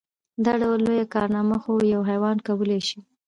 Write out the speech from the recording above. دا ډول لويه کارنامه خو يو حيوان کولی شي.